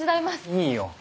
いいよ。